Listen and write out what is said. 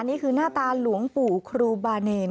นี่คือหน้าตาหลวงปู่ครูบาเนร